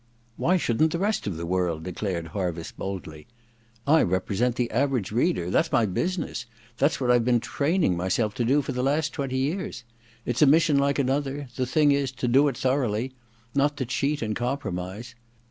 ' why shouldn't the rest of the world ?* declared Harviss boldly. *I represent the Average Reader — that's my business, that's what I've been training myself to do for the last twenty years. It's a mission like another — the thing is to do it thoroughly ; not to cheat and compromise.